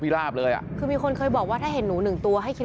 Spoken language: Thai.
ราบเลยอ่ะคือมีคนเคยบอกว่าถ้าเห็นหนูหนึ่งตัวให้คิด